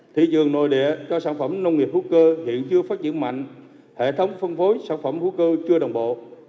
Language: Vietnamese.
thị trường nội địa cho sản phẩm nông nghiệp hữu cơ hiện chưa phát triển mạnh hệ thống phân phối sản phẩm hữu cơ chưa đồng bộ